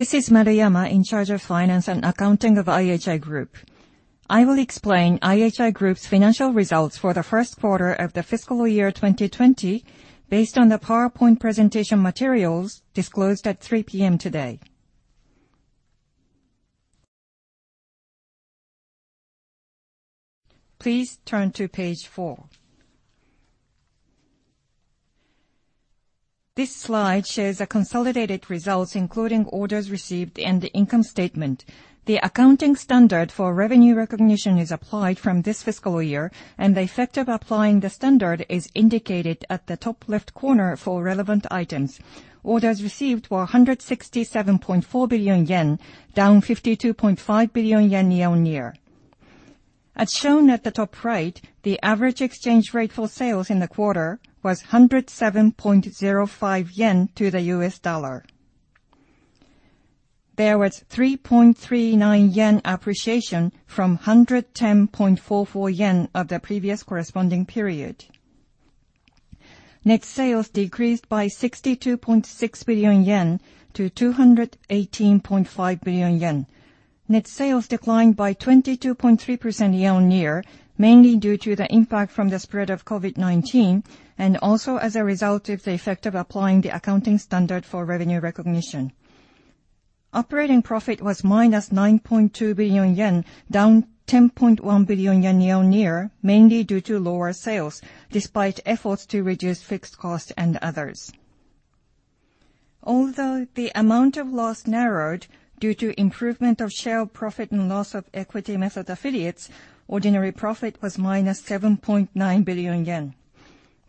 This is Maruyama, in charge of finance and accounting of IHI Group. I will explain IHI Group's financial results for the first quarter of the fiscal year 2020 based on the PowerPoint presentation materials disclosed at 3:00 P.M. today. Please turn to page four. This slide shares the consolidated results, including orders received and the income statement. The accounting standard for revenue recognition is applied from this fiscal year, and the effect of applying the standard is indicated at the top left corner for relevant items. Orders received were 167.4 billion yen, down 52.5 billion yen year-on-year. As shown at the top right, the average exchange rate for sales in the quarter was 107.05 yen to the US dollar. There was 3.39 yen appreciation from 110.44 yen of the previous corresponding period. Net sales decreased by 62.6 billion yen to 218.5 billion yen. Net sales declined by 22.3% year-on-year, mainly due to the impact from the spread of COVID-19, and also as a result of the effect of applying the accounting standard for revenue recognition. Operating profit was minus 9.2 billion yen, down 10.1 billion yen year-on-year, mainly due to lower sales despite efforts to reduce fixed costs and others. Although the amount of loss narrowed due to improvement of share of profit and loss of equity method affiliates, ordinary profit was minus 7.9 billion yen.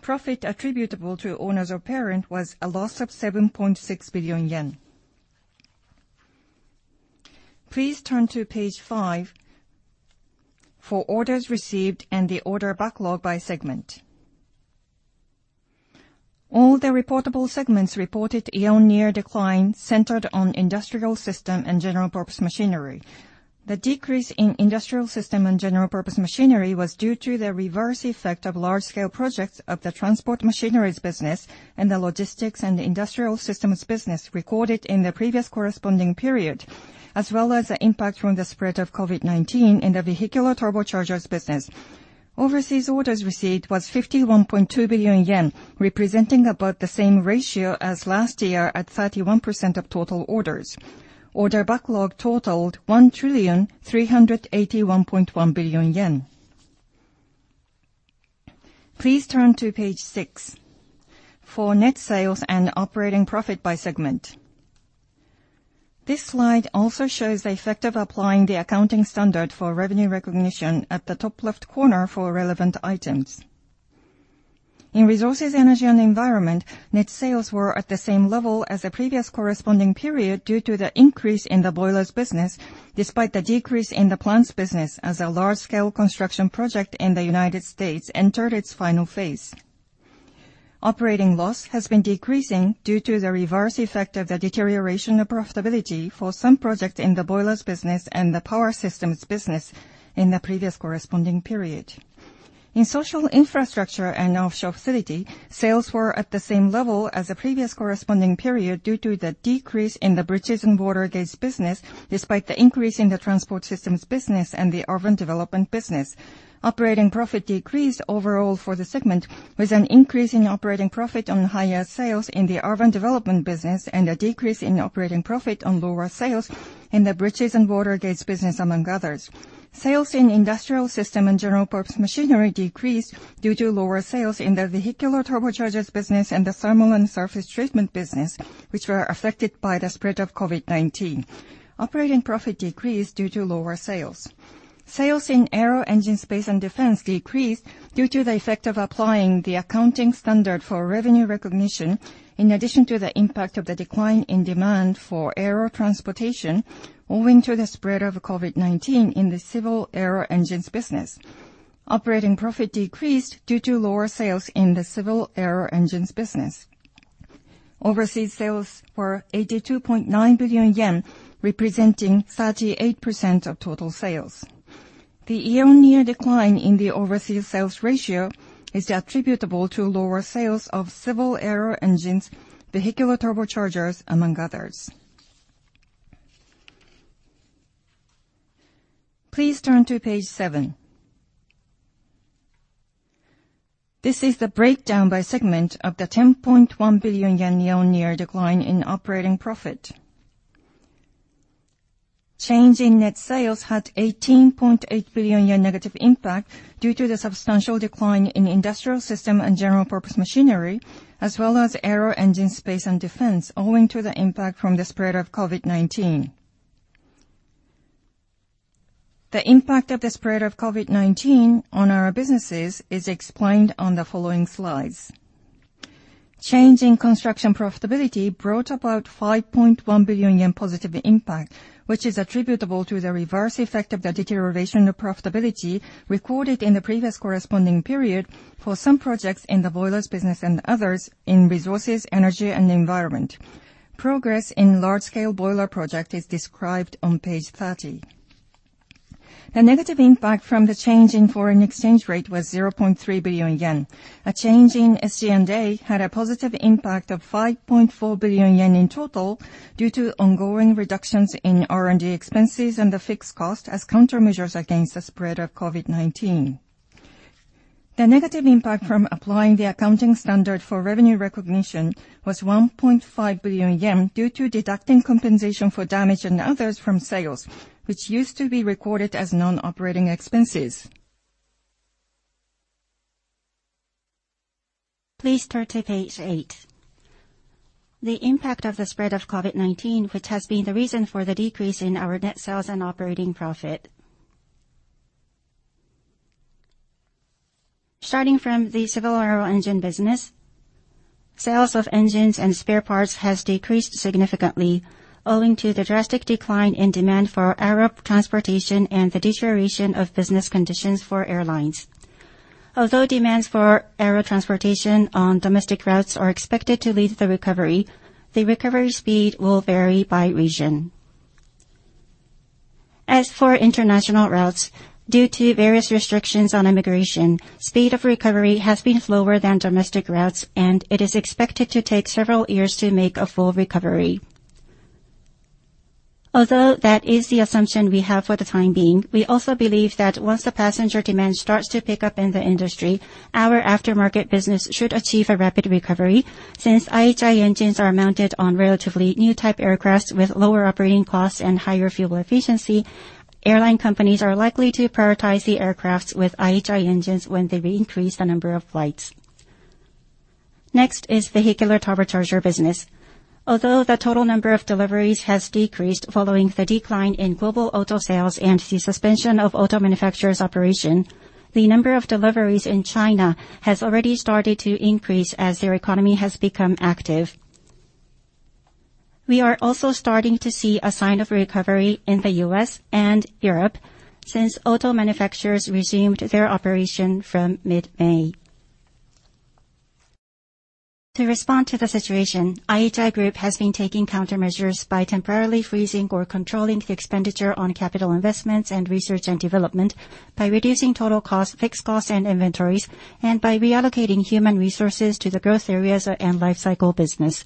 Profit attributable to owners of parent was a loss of 7.6 billion yen. Please turn to page five for orders received and the order backlog by segment. All the reportable segments reported year-on-year decline centered on Industrial Systems & General-Purpose Machinery. The decrease in Industrial Systems & General-Purpose Machinery was due to the reverse effect of large-scale projects of the transport machineries business and the Logistics and Industrial Systems business recorded in the previous corresponding period, as well as the impact from the spread of COVID-19 in the Vehicular turbochargers business. Overseas orders received was 51.2 billion yen, representing about the same ratio as last year at 31% of total orders. Order backlog totaled 1,381.1 billion yen. Please turn to page six for net sales and operating profit by segment. This slide also shows the effect of applying the accounting standard for revenue recognition at the top left corner for relevant items. In Resources, Energy & Environment, net sales were at the same level as the previous corresponding period due to the increase in the Boilers business, despite the decrease in the Plants business as a large-scale construction project in the United States entered its final phase. Operating loss has been decreasing due to the reverse effect of the deterioration of profitability for some projects in the Boilers business and the Power Systems business in the previous corresponding period. In Social Infrastructure & Offshore Facilities, sales were at the same level as the previous corresponding period due to the decrease in the Bridges and Water Gates business, despite the increase in the Transport Systems business and the Urban Development business. Operating profit decreased overall for the segment, with an increase in operating profit on higher sales in the Urban Development business and a decrease in operating profit on lower sales in the Bridges and Water Gates business, among others. Sales in Industrial Systems & General-Purpose Machinery decreased due to lower sales in the Vehicular turbochargers business and the Thermal and Surface Treatment business, which were affected by the spread of COVID-19. Operating profit decreased due to lower sales. Sales in Aero Engine, Space & Defense decreased due to the effect of applying the accounting standard for revenue recognition, in addition to the impact of the decline in demand for aero transportation owing to the spread of COVID-19 in the Civil aero engines business. Operating profit decreased due to lower sales in the Civil aero engines business. Overseas sales were ¥82.9 billion, representing 38% of total sales. The year-on-year decline in the overseas sales ratio is attributable to lower sales of civil aero engines, vehicular turbochargers, among others. Please turn to page seven. This is the breakdown by segment of the 10.1 billion yen year-on-year decline in operating profit. Change in net sales had 18.8 billion yen negative impact due to the substantial decline in Industrial Systems & General-Purpose Machinery, as well as Aero Engine, Space & Defense, owing to the impact from the spread of COVID-19. The impact of the spread of COVID-19 on our businesses is explained on the following slides. Change in construction profitability brought about 5.1 billion yen positive impact, which is attributable to the reverse effect of the deterioration of profitability recorded in the previous corresponding period for some projects in the Boilers business and others in Resources, Energy & Environment. Progress in large-scale boiler project is described on page 30. The negative impact from the change in foreign exchange rate was 0.3 billion yen. A change in SG&A had a positive impact of 5.4 billion yen in total, due to ongoing reductions in R&D expenses and the fixed cost as countermeasures against the spread of COVID-19. The negative impact from applying the accounting standard for revenue recognition was 1.5 billion yen due to deducting compensation for damage and others from sales, which used to be recorded as non-operating expenses. Please turn to page eight. The impact of the spread of COVID-19, which has been the reason for the decrease in our net sales and operating profit. Starting from the civil aero engine business, sales of engines and spare parts has decreased significantly, owing to the drastic decline in demand for aero transportation and the deterioration of business conditions for airlines. Demands for aero transportation on domestic routes are expected to lead the recovery, the recovery speed will vary by region. International routes, due to various restrictions on immigration, speed of recovery has been slower than domestic routes, and it is expected to take several years to make a full recovery. That is the assumption we have for the time being, we also believe that once the passenger demand starts to pick up in the industry, our aftermarket business should achieve a rapid recovery. IHI engines are mounted on relatively new type aircraft with lower operating costs and higher fuel efficiency, airline companies are likely to prioritize the aircraft with IHI engines when they increase the number of flights. Vehicular turbochargers business. Although the total number of deliveries has decreased following the decline in global auto sales and the suspension of auto manufacturers' operation, the number of deliveries in China has already started to increase as their economy has become active. We are also starting to see a sign of recovery in the U.S. and Europe since auto manufacturers resumed their operation from mid-May. To respond to the situation, IHI Group has been taking countermeasures by temporarily freezing or controlling the expenditure on capital investments and research and development by reducing total cost, fixed cost, and inventories, and by reallocating human resources to the growth areas and life cycle business.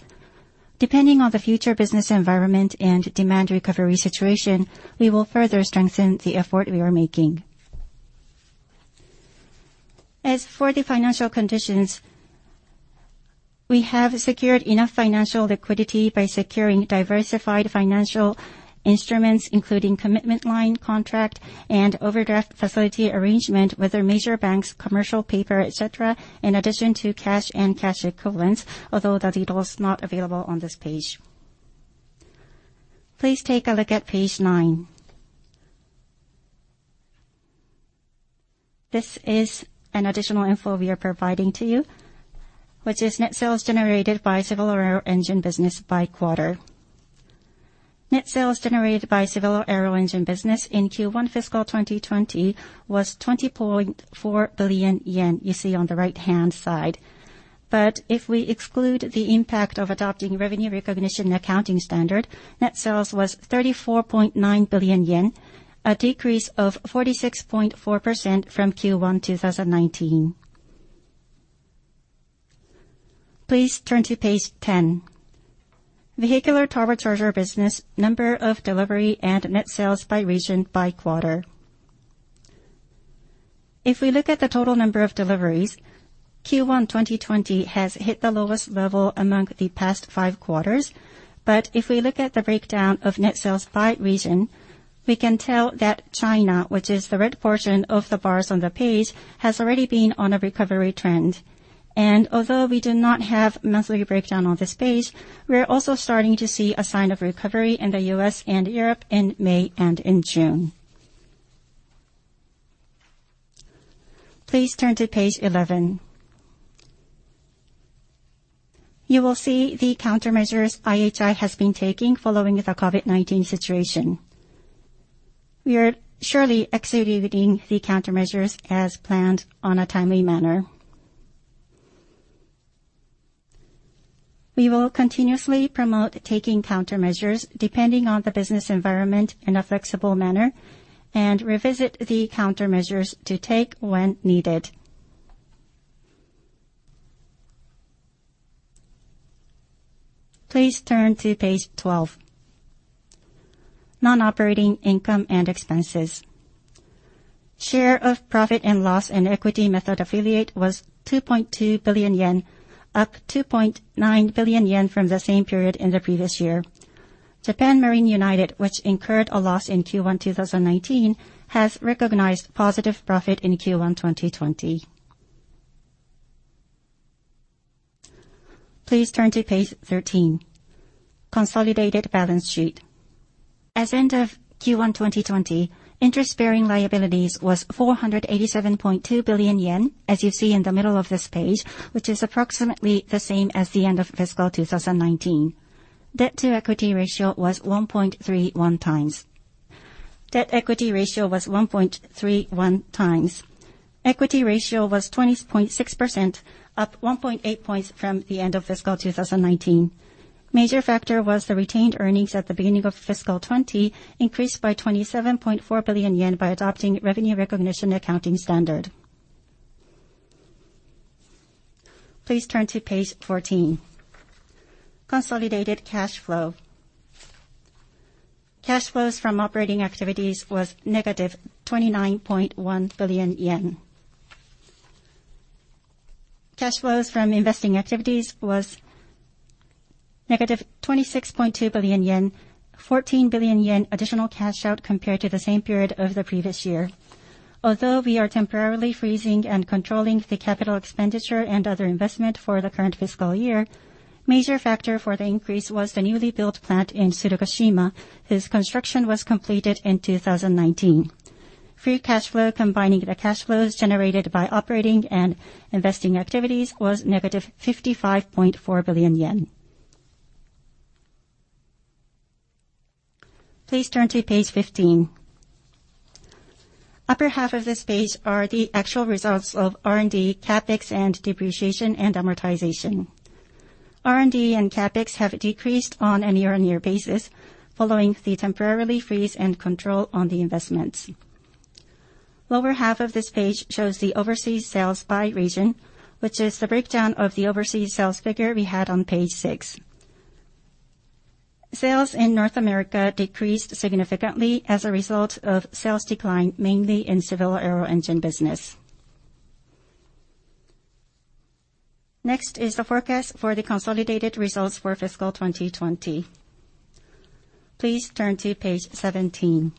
Depending on the future business environment and demand recovery situation, we will further strengthen the effort we are making. As for the financial conditions, we have secured enough financial liquidity by securing diversified financial instruments, including commitment line contract and overdraft facility arrangement with our major banks, commercial paper, et cetera, in addition to cash and cash equivalents, although the details not available on this page. Please take a look at page nine. This is an additional info we are providing to you, which is net sales generated by Civil aero engines business by quarter. Net sales generated by Civil aero engines business in Q1 fiscal 2020 was 20.4 billion yen, you see on the right-hand side. If we exclude the impact of adopting revenue recognition and accounting standard, net sales was 34.9 billion yen, a decrease of 46.4% from Q1 2019. Please turn to page 10. Vehicular turbochargers business number of delivery and net sales by region by quarter. If we look at the total number of deliveries, Q1 2020 has hit the lowest level among the past five quarters. If we look at the breakdown of net sales by region, we can tell that China, which is the red portion of the bars on the page, has already been on a recovery trend. Although we do not have monthly breakdown on this page, we are also starting to see a sign of recovery in the U.S. and Europe in May and in June. Please turn to page 11. You will see the countermeasures IHI has been taking following the COVID-19 situation. We are surely executing the countermeasures as planned on a timely manner. We will continuously promote taking countermeasures depending on the business environment in a flexible manner and revisit the countermeasures to take when needed. Please turn to page 12. Non-operating income and expenses. Share of profit and loss of equity method affiliates was 2.2 billion yen, up 2.9 billion yen from the same period in the previous year. Japan Marine United, which incurred a loss in Q1 2019, has recognized positive profit in Q1 2020. Please turn to page 13. Consolidated balance sheet. As end of Q1 2020, interest-bearing liabilities was 487.2 billion yen, as you see in the middle of this page, which is approximately the same as the end of fiscal 2019. Debt-to-equity ratio was 1.31 times. Debt-to-equity ratio was 1.31 times. Equity ratio was 20.6%, up 1.8 points from the end of fiscal 2019. Major factor was the retained earnings at the beginning of fiscal 2020, increased by 27.4 billion yen by adopting revenue recognition accounting standard. Please turn to page 14, consolidated cash flow. Cash flows from operating activities was negative 29.1 billion yen. Cash flows from investing activities was negative 26.2 billion yen, 14 billion yen additional cash out compared to the same period of the previous year. Although we are temporarily freezing and controlling the capital expenditure and other investment for the current fiscal year, major factor for the increase was the newly built plant in Tsurugashima, whose construction was completed in 2019. Free cash flow, combining the cash flows generated by operating and investing activities, was negative 55.4 billion yen. Please turn to page 15. Upper half of this page are the actual results of R&D, CapEx, and depreciation and amortization. R&D and CapEx have decreased on a year-on-year basis following the temporarily freeze and control on the investments. Lower half of this page shows the overseas sales by region, which is the breakdown of the overseas sales figure we had on page six. Sales in North America decreased significantly as a result of sales decline, mainly in civil aero engines business. Next is the forecast for the consolidated results for fiscal 2020. Please turn to page 17.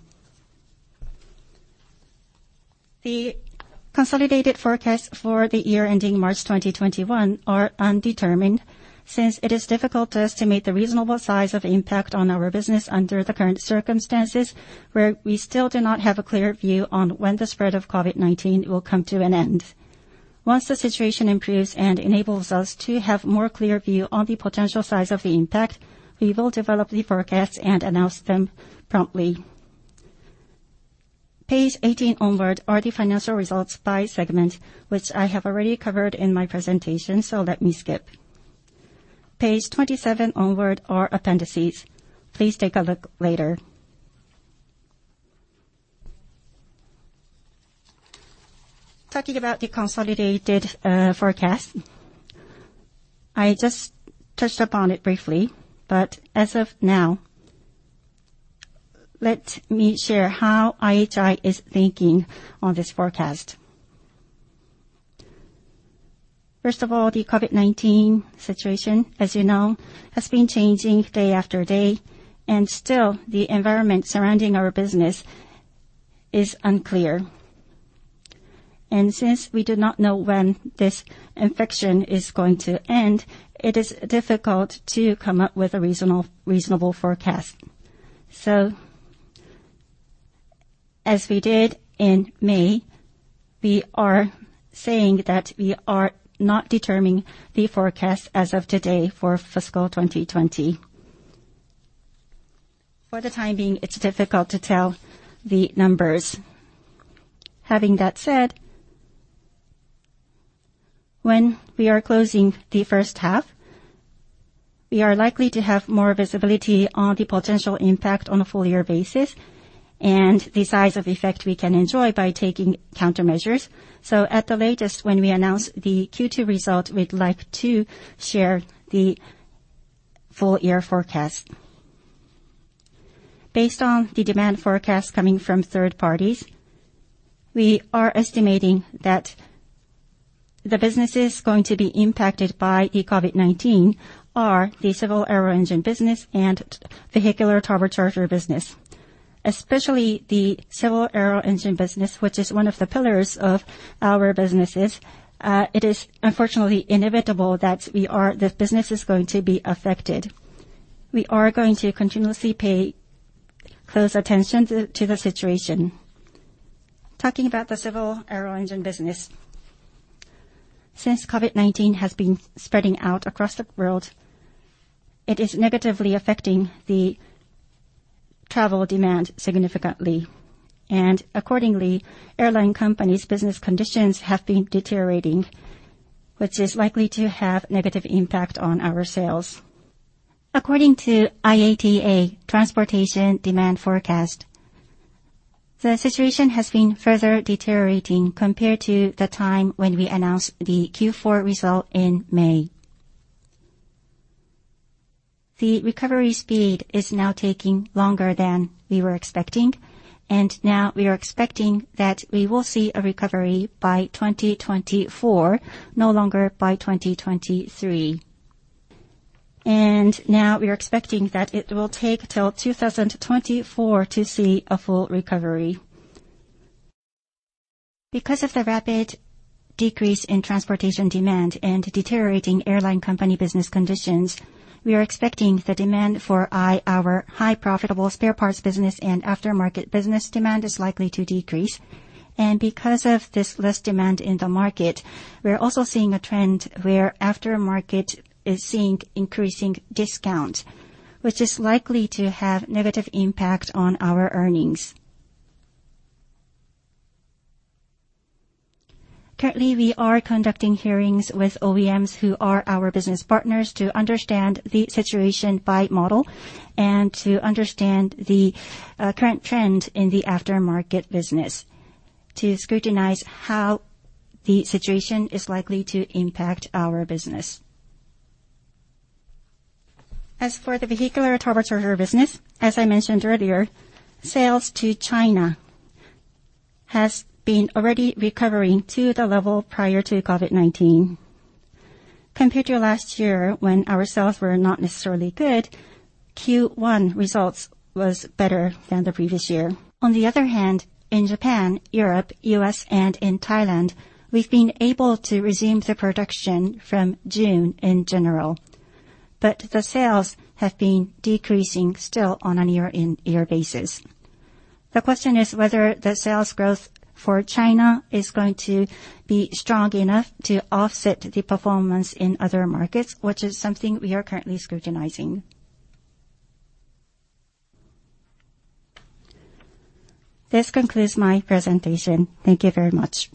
The consolidated forecast for the year ending March 2021 are undetermined, since it is difficult to estimate the reasonable size of impact on our business under the current circumstances, where we still do not have a clear view on when the spread of COVID-19 will come to an end. Once the situation improves and enables us to have more clear view on the potential size of the impact, we will develop the forecasts and announce them promptly. Page 18 onward are the financial results by segment, which I have already covered in my presentation, so let me skip. Page 27 onward are appendices. Please take a look later. Talking about the consolidated forecast, I just touched upon it briefly, but as of now, let me share how IHI is thinking on this forecast. First of all, the COVID-19 situation, as you know, has been changing day after day, still the environment surrounding our business is unclear. Since we do not know when this infection is going to end, it is difficult to come up with a reasonable forecast. As we did in May, we are saying that we are not determining the forecast as of today for fiscal 2020. For the time being, it's difficult to tell the numbers. Having that said, when we are closing the first half, we are likely to have more visibility on the potential impact on a full year basis and the size of effect we can enjoy by taking countermeasures. At the latest, when we announce the Q2 result, we'd like to share the full year forecast. Based on the demand forecast coming from third parties, we are estimating that the business is going to be impacted by COVID-19 are the Civil aero engines business and Vehicular turbochargers business. Especially the Civil aero engines business, which is one of the pillars of our businesses, it is unfortunately inevitable that the business is going to be affected. We are going to continuously pay close attention to the situation. Talking about the Civil aero engines business, since COVID-19 has been spreading out across the world, it is negatively affecting the travel demand significantly. Accordingly, airline companies' business conditions have been deteriorating, which is likely to have negative impact on our sales. According to IATA transportation demand forecast, the situation has been further deteriorating compared to the time when we announced the Q4 result in May. The recovery speed is now taking longer than we were expecting, and now we are expecting that we will see a recovery by 2024, no longer by 2023. Now we are expecting that it will take till 2024 to see a full recovery. Because of the rapid decrease in transportation demand and deteriorating airline company business conditions, we are expecting the demand for our high profitable spare parts business and aftermarket business demand is likely to decrease. Because of this less demand in the market, we are also seeing a trend where aftermarket is seeing increasing discount, which is likely to have negative impact on our earnings. Currently, we are conducting hearings with OEMs, who are our business partners, to understand the situation by model and to understand the current trend in the aftermarket business to scrutinize how the situation is likely to impact our business. As for the vehicular turbocharger business, as I mentioned earlier, sales to China has been already recovering to the level prior to COVID-19. Compared to last year when our sales were not necessarily good, Q1 results was better than the previous year. On the other hand, in Japan, Europe, U.S., and in Thailand, we've been able to resume the production from June in general, but the sales have been decreasing still on a year-over-year basis. The question is whether the sales growth for China is going to be strong enough to offset the performance in other markets, which is something we are currently scrutinizing. This concludes my presentation. Thank you very much.